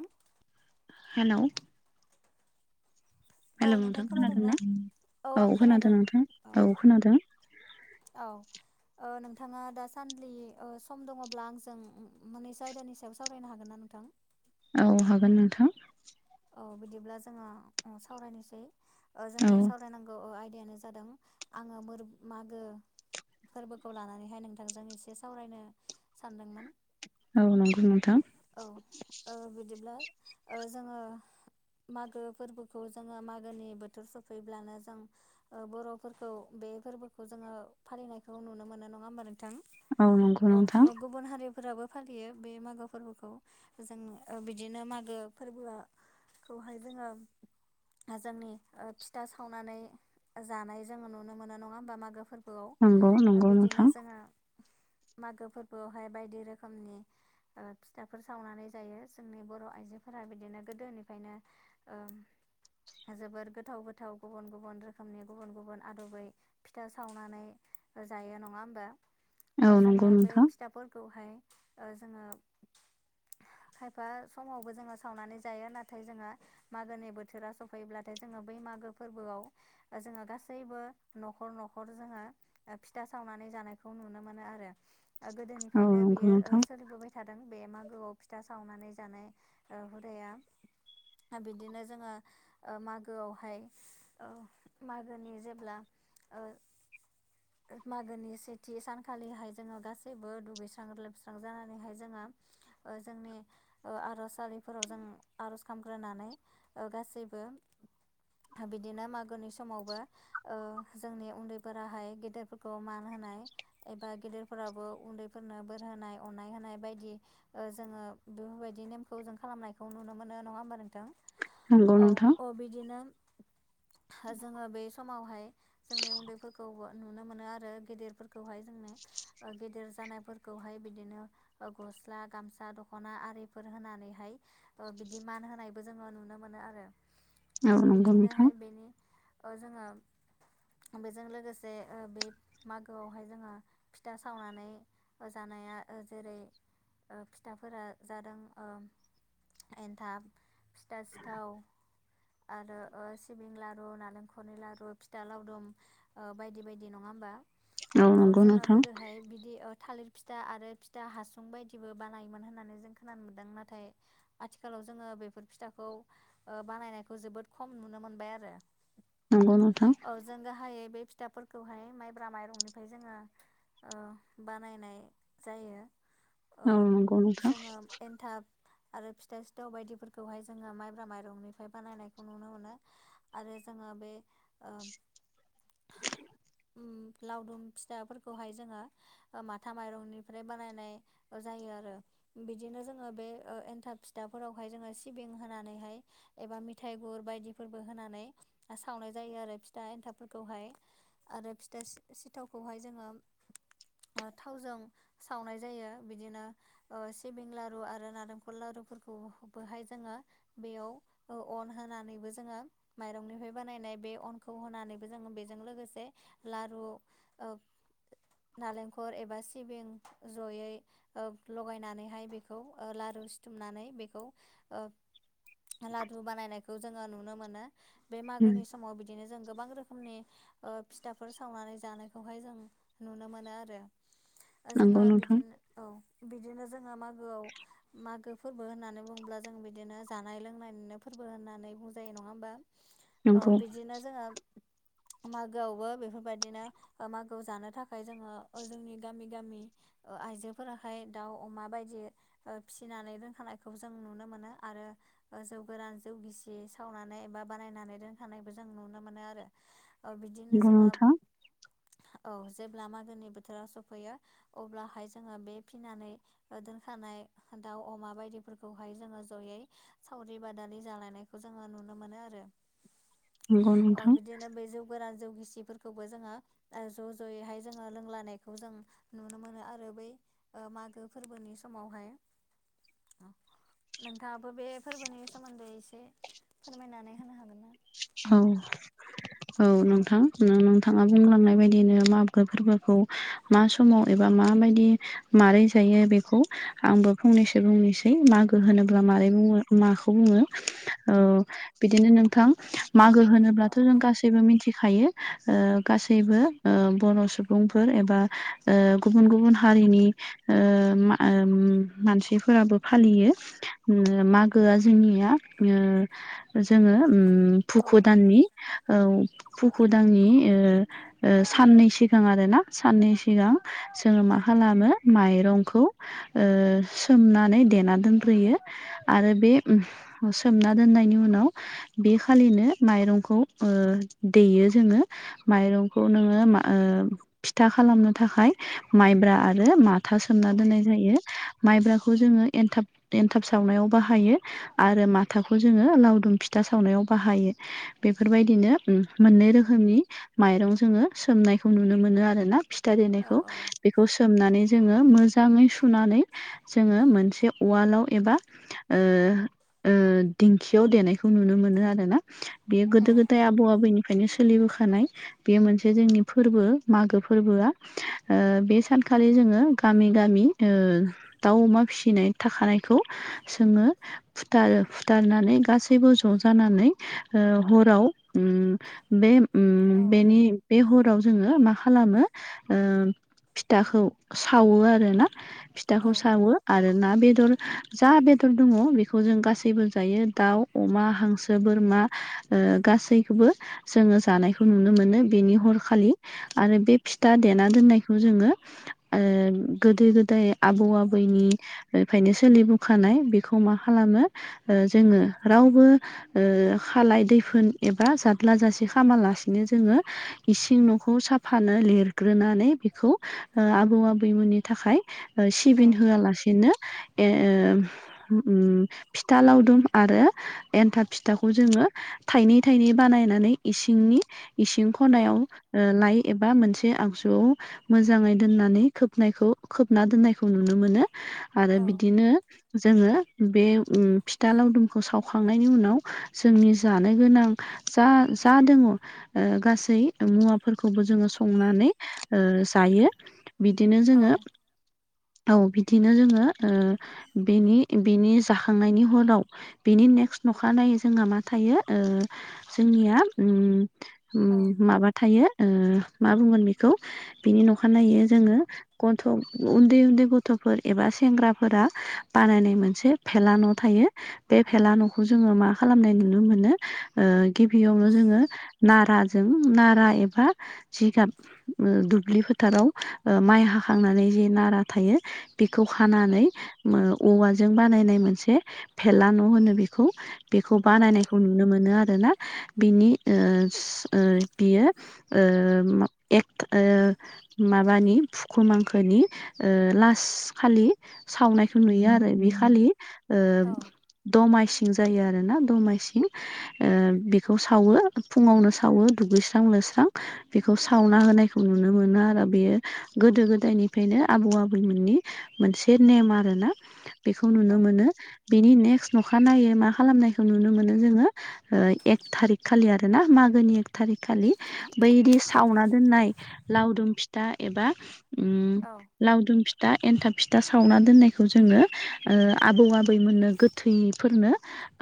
ओं हेलौ औ हेलौ नोंथां खोनादों ना? खोनादोंना औ आं खोनादों औ। औ ओ नोंथाङा दासान्दि ओ सम दङब्ला आंजों मोननैसो आयदानि सायाव सावरायनो हागोन ना नोंथां? औ हागोन नोंथां। औ बिदिब्ला जोङो सावरायनोसै ओ औ जोंनि सावरायनांगौ ओ आयदायानो ज जादों आङो मोर मागो फोरबोखौ लानानैहाय नोंथांजों एसे सावरायनो सानदोंमोन। औ नंगौ नोंथां। औ ओ बिदिब्ला ओ जोङो मागो फोरबोखौ जोङो मागोनि बोथोर सफैब्लानो जों ओ बर'फोरखौ बे फोरबोखौ जोङो फालिनायखौ नुनो मोनो नङा होमबा नोंथां? नंगौ औ नोंथां औ गु गुबुन हारिफोराबो फालियो बे मागो फोरबोखौ जों ओ बिदिनो मागो फोरबोआ खौहाय जोङो जोंनि ओ फिथा सावनानै जानाय जोङो नुनो मोनो नङा होमबा मागो फोर नंगौ बोआव नंगौ नोंथां बिदिनो जोङो मागो फोरबोआवहाय बायदि रोखोमनि ओ फिथाफोर सावनानै जायो जोंनि बर' आइजोफोरा बिदिनो गोदोनिफ्रायनो ओ जोबोर गोथाव गोथाव गुबुन गुबुन रोखोमनि गुबुन गुबुन आदबै। फिथा सावनानै जायो नङा होमबा औ जोङो नंगौ बे नोंथां फिथाफोरखौहाय ओ जोङो खायफा समावबो जोङो सावनानै जाया नाथाय जोंहा मागोनि बोथोरा सफैब्लाथाय जोङो बै मागो फोरबोआव जोङो गासैबो न'खर न'खर जोङो फिथा सावनानै जानायखौ नुनो मोनो आरो औ गोदोनिफ्रायनो नंगौ बेयो नोंथां सोलिबोबाय थादों बे मागोआव फिथा सावनानै जानाय हुदाया बिदिनो जोङो ओ मागोआवहाय ओ मागोनि जेब्ला ओ [inaudible] मागोनि सेथि सानखालिहाय जोङो गासैबो दुगैस्रां लोबस्रां जानानैहाय जोङो ओ जोंनि ओ आर'ज सालिफोराव जों आर'ज खालामग्रोनानै ओ गासैबो बिदिनो मागोनि समावबो ओ जोंनि उन्दैफोराहाय गेदेरफोरखौ मान होनाय। एबा गेदेरफोराबो उन्दैफोरनो बोर होनाय अननाय होनाय बायदि ओ जोङो बेफोरबायदि नेमखौ जों खालामनायखौ नुनो मोनो नङा होमबा नोंथां? नंगौ औ नोंथां ओ बिदिनो जोङो बे समावहाय जोंनि उन्दैफोरखौबो नुनो मोनो आरो गेदिरफोरखौहाय जोंनि गेदेर जानायफोरखौहाय बिदिनो गस्ला गामसा दख'ना आरिफोर होनानैहाय ओ बिदि मान होनायबो जोङो नुनो मोनो आरो औ नंगौ नोंथां बिदिनोहाय बेनि ओ जोङो बेजों लोगोसे ओ बे मागोआवहाय जोङो फिथा सावनानै जानाया ओ जेरै ओ फिथाफोरा जादों ओम एन्थाब फिथा सिथाव। आरो सिबिं लारु नालेंखरनि लारु फिथा लावदुम। बायदि बायदि नङा होमबा? औ नंगौ जोङो नोंथां गोदोहाय बिदि थालिर फिथा आरो फिथा हासुं बायदिबो बानायोमोन होननानै जों खोनानो मोनदों नाथाय आथिखालाव जोङो बेफोर फिथाखौ बानायनायखौ जोबोद खम नुनो मोनबाय आरो‌। नंगौ नोंथां। औ जों गाहायै बे फिथाफोरखौहाय माइब्रा माइरंनिफ्राय जोङो बानायनाय जायो। ओ औ नंगौ नोंथां जोङो एन्थाब आरो फिथा सिथाव बायदिफोरखौहाय जोङो माइब्रा माइरंनिफ्राय बानायनायखौ नुनो मोनो। आरो जोङो बे ओ उम लावदुम फिथाफोरखौहाय जोङो ओ माथा माइरंनिफ्राय बानायनाय ओ जायो आरो बिदिनो जोङो बे ओ इन थाब फिथाफोरावहाय जोङो सिबिं होनानैहाय एबा मिथाइ गुर बायदिफोरबो होनानै ओ सावनाय जायो आरो फिथा एन्थाबफोरखौहाय आरो फिथा सि-सिथावखौहाय जोङो ओ थावजों सावनाय जायो बिदिनो ओ सिबिं लारु आरो नारें दखर लारुफोरखौबोहाय जोङो बेयाव ओ अन होनानैबो जोङो माइरंनिफ्राय बानायनाय बे अनखौ होनानैबो जोङो बेजों लोगोसे लारु ओ नालेंखल एबा सिबिं जयै ओ लगायनानैहाय बेखौ ओ लारु सि थुमनानै बेखौ ओ लादु बानायनायखौ जोङो नुनो मोनो। बे मागोनि समाव बिदिनो जों गोबां रोखोमनि ओ फिथाफोर सावनानै जानायखौहाय जों नुनो मोनो आरो। ओ नंगौ जोङो नोंथां बिदिनो औ बिदिनो जोङो मागोआव मागो फोरबो होननानै बुङोब्ला जों बिदिनो जानाय लोंनायनिनो फोरबो होननानै बुंजायो नङा होमबा? नंगौ बिदिनो जोङो मागोआवबो बेफोरबायदिनो मागोआव जानो थाखाय जोङो ओ जोंनि गामि गामि ओ आइजोफोराहाय दाउ अमा बायदि ओ फिसिनानै दोन खानायखौ जों नुनो मोनो आरो ओ जौ गोरान जौ गिसि सावनानै बा बानायनानै दोनखानायबो जों नुनो मोनो आरो। ओ बिदिनो नंगौ जोङो नोंथां औ जेब्ला मागोनि बोथोराव सफैयो अब्लाहाय जोङो बे फिसिनानै दोनखानाय दाउ अमा बाय दिफोरखौहाय जोङो जयै सावरि बादालि जालायनायखौ जोङो नुनो मोनो आरो नंगौ औ नोंथां बिदिनो [unintelligible] बे जौ गोरान जौ गिसिफोरखौबो जोंहा ओ ज' ज'यैहाय जोङो लोंलानायखौ जों नुनो मोनो आरो बै ओ मागो फोरबोनि समावहाय नोंथाङाबो बे फोरबोनि सोमोन्दै एसे फोरमायनानै होनो हागोन ना? औ औ नोंथां नो-नोंथाङा बुंलांनाय बायदिनो माबो फोरबोखौ मा समाव एबा माबायदि माबोरै जायो बेखौ आंबो फंनैसो बुंनोसै मागो होनोब्ला मोरै बुङो माखौ बुङो ओ बिदिनो नोंथां मागो होनोब्लाथ' जों गासैबो मिथिखायो ओ गासैबो ओ बर' सुबुंफोर एबा ओ गुबुन गुबुन हारिनि ओ मा ओ मानसिफोराबो फालियो गोआ जोंनिया ओ जोङो ओम औ भुगु दान नि ओ फुखु दाननि ओ ओ साननै सिगां आरो ना ओ साननै सिगां जोङो मा खालामो माइरंखौ ओ सोमनानै देना दोनयो। आरो बे ओम सोमना दोननायनि उनाव बे फालिनो माइरंखौ ओ देयो जोङो माइरंखौ नोङो मा ओ फिथा खालामनो थाखाय माइब्रा आरो मा था सोमना दोननाय जायो माइब्राखौ जोङो एनथाब एनथाब सावनायाव बाहायो। आरो माथाखौ जोङो लावदुम फिथा सावनायाव बाहायो। बेफोरबायदिनो मोननै रोखोमनि माइरं जोङो सोमनायखौ नुनो मोनो आरोना। फिथा औ देनायखौ। बेखौ सोमनानै जोङो मोजाङै सुनानै जोङो मोनसे उवालाव एबा ओ ओ दिंखियाव देनायखौ नुनो मोनो आरो। आरोना बेयो औ गोदो गोदाय आबौ आबैनिफ्रायनो सोलिबोखानाय बेयो मोनसे जोंनि फोरबो मागो फोरबोआ ओ बे सानखालि जोङो गामि गामि ओ दाउ अमा फिसिनाय थाखानायखौ जोङो फुथारो फुथारनानै गासैबो ज' जानानै ओ हराव उम बे बेनि बे हराव जोङो मा खालामो ओ फिथाखौ सावो आरो ना औ फिथाखौ सावो आरो ना बेदर जा बेदर दङ बेखौ जों गासैबो जायो दाउ अमा हांसोबो बोर मा गासैखौबो जोङो जानायखौ नुनो मोनो बेनि हरखालि आरो बे फिथा देना दोननायखौ जोङो ओ गोदो गोदाय आबौ आबौनि फ्रायनो सोलिबोखानाय बेखौ मा खालामो जोङो रावबो ओ खालाय दैफोन एबा जाद्ला जासे खालामामालासेनो जोङो इसिं न'खौ साफानो लिरग्रोनानै बेखौ ओ आबौ आबैमोननि थाखाय औ सिबिन होआलासेनो ओ ओम फिथा लावदुम आरो एन्थाब फिथाखौ जोङो थायनै थायनै बानायनानै इसिंनि इसिं खनायाव लायो एबा मोनसे आगजुआव मोजाङै दोननानै खोबनायखौ खोबना दोननायखौ नुनो मोनो आरो बिदिनो जोङो बे फिथा लावदुमखौ सावखांनायनि उनाव जोंनि जानो गोनां जा जा दङ ओ गासै मुवाफोरखौबो जोङो संनानै जायो बिदिनो जोङो औ बिदिनो जोङो ओ बेनि बेनि जाखांनायनि हराव बेनि नेक्स्ट नखानायनायै जोंहा मा थायो ओ जोंनिया उम औ उम माबा थायो ओ मा बुंगोन बेखौ बिनि न'खा नायै जोङो गथ' उन्दै उन्दै गथ'फोर एबा सेंग्राफोरा बानायनाय मोनसे भेला न' थायो बे भेला न'खौ जोङो मा खालामनाय नुनो मोनो गिबियावनो जोङो नाराजों नारा एबा जिगाब ओ दुब्लि फोथाराव ओ माइ हाखांनानै जे नारा थायो बेखौ खानानै ओ औवाजों बानायनाय मोनसे भेला न' होनो बेखौ बेखौ बानायनायखौ नुनो मोनो आरोना बिनि ओ स ओ बियो ओ ए ओ माबानि फुखुमांखोनि ओ लास्ट खालि सावनायखौ नुयो आरो बे खालि ओ दमासि जायो आरो रोना दमासिन ओ बेखौ सावो फुङावनो सावो दुगैस्रां लोबस्रां बेखौ सावना होनायखौ नुनो मोनो आरो बेयो गोदो गोदायनिफ्रायनो आबौ आबैमोननि मोनसे नेम आरो ना बेखौ औ नुनो मोनो बेनि नेक्स्ट अखानायनायै मा खालामनायखौ नुनो मोनो जोङो एक थारिक खालि आरो ना मागोनि एक थारिक खालि बैदि सावना दोननाय लावदुम फिथा एबा उम लावदुम फिथा एन्थाब फिथा सावना दोननायखौ जोङो ओ आबौ आबैमोननो गोथैफोरनो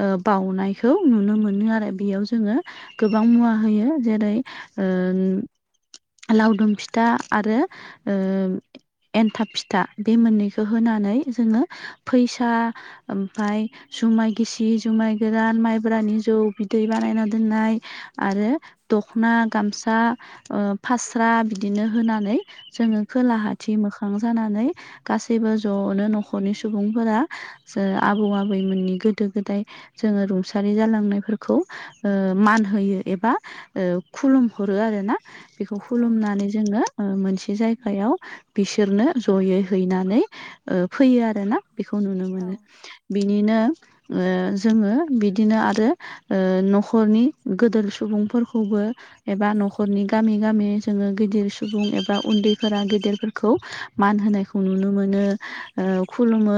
ओ बाउनायखौ नुनो मोनो आरो बेयाव जोङो गोबां मुवा होयो जेरै उम लावदुम फिथा आरो ओम एन्थाब फिथा बे मोननैखौ होनानै जोङो फैसा ओमफ्राय जुमाय गिसि जुमाय गोरान माइब्रानि जौ बिदै बानायना दोननाय आरो दखना गामसा ओ फास्रा बिदिनो होनानै जोङो खोलाहााथि मोखां जानानै गासैबो ज'नो न'खरनि सुबुंफोरा ज आबौ आबैमोननि गोदो गोदाय जोङो रुंसारि जालांनायफोरखौ ओ मान होयो एबा ओ खुलुम हरो आरो ना बेखौ खुलुमनानै जोङो मोनसे जायगायाव बिसोरनो जयै हैनानै फैयो आरोना बेखौ नुनो औ मोनो बिनिनो जोङो बिदिनो आरो न'खरनि गोदोर सुबुंफोरखौबो एबा न'खरनि गामि गामि जोङो गिदिर सुबुं एबा उन्दैफोरा गेदिरफोरखौ मान होनायखौ नुनो मोनो ओ खुलुमो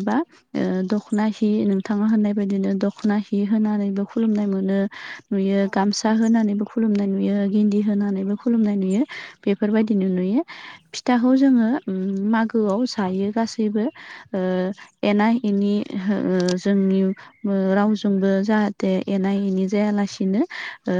एबा ओ दख'ना हि थाङा होननाय बायदिनो दख'ना हि होनानैबो खुलुमनाय मोनो नुयो औ गामसा फिा होनानैबो खुलुमनाय नुयो गिन्दि होनानैबो खुलुमनाय नुयो बेफोरबायदिनो नुयो फिथाखौ जोङो मागोआव जायो गासैबो ओ एना एनि ओ जोंनि ओ रावजोंबो जाहाथे एना एनि जायालासिनो ओ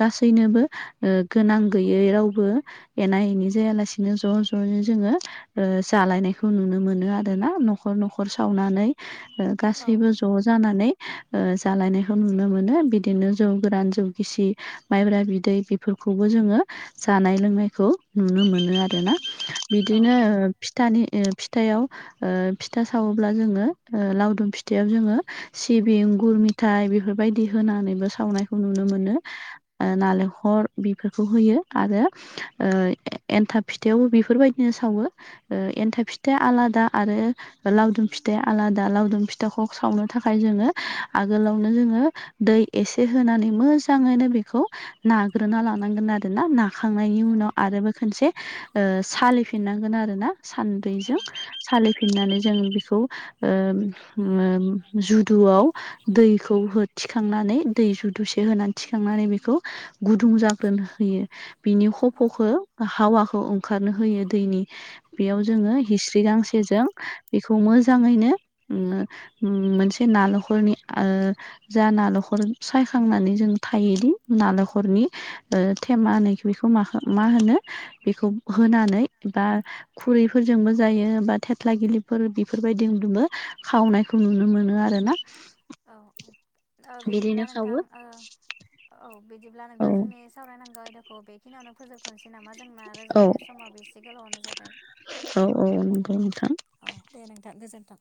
गासैनोबो ओ गोनां गैयै रावबो एना एनि जायालासिनो ज' ज'नो जोङो ओ जालायनायखौ नुनो मोनो आरो ना न'खर न'खर सावनानै ओ औ गासैबो ज' जानानै ओ जालायनायखौ नुनो मोनो बिदिनो जौ गोरान जौ गिसि माइब्रा बिदै बेफोरखौबो जोङो जानाय लोंनायखौ नुनो मोनो आरोना। औ बिदिनो फिथानि फिथाव ओ फिथा सावोब्ला जोङो लावदुम फि खाोथियाव जोङो सिबिं गुर मिथायाइ बेफोरबायदि होनानैबो सावनायखौ नुनो मोनो। ओ नालेंखल बेफोरखौ होयो आरो ओ एन्थाब फिथायाइावबो बेफोरबायदिनो सावो ओ एन्थाइ फिथाइा आलादा आरो लावदुम फिथाइा आलादा लावदुम फिथाइ फिथाखौ सावनो थाखाय जोङो आगोलावनो जोङो दै एसे होनानै मोजाङैनो बेखौ नाग्रोना लानांगोन आरोोना न खांनायनि औ उनाव आरो खनसे ओ सालिफिननांगोन आरो ना औ सान्दैजों सालिफिननानै जोंङ बेखौ ओ ओम जुदुआव दैखौ हो थिखांनानै दै जुदुसे होनानै थिखांनानै बेखौ गुदुं जाग्रोनो होयो। बिनि खफ'खौ औ हावाखौ ओंखारनो होयो दैनि बेयाव जोङो हिस्रि गांसेजों बेखौ मोजाङैनो ओम मोनसे नाल'खरनि ओ जा नालखर सायखांनानै जों थेमै बेखौ म मा होनो बेखौ होनानै दा खुरैफोरजोंबो जायो बा थेथ्ला गिलिफोर बेफोरबायदिजोंबो खावनाय खौ नुनो मोनो आरोना। औ औ औ बिदिब्ला बिदिनो नोंथां खावो ओ औ बिदिब्ला औ नोंथां जोंनि सावरायनांगौ आयदाखौ बेखिनियावनो फोजोब दोनथ' नामा जोंना औ रोज्लायनाय समाबो एसे गोलावनो जाबाय। औ औ नंगौ नोंथां। औ दे नोंथां गोजोन्थों।